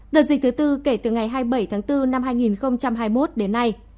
đợt dịch thứ tư kể từ ngày hai mươi bảy tháng bốn năm hai nghìn hai mươi một đến nay